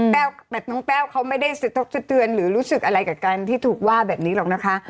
แบบน้องแต้วเขาไม่ได้สะทกสะเตือนหรือรู้สึกอะไรกับการที่ถูกว่าแบบนี้หรอกนะคะ